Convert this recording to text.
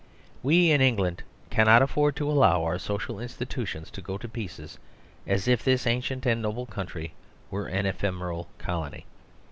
We in Eng land cannot afford to allow our social insti tutions to go to pieces, as if this ancient and noble country were an ephemeral colony.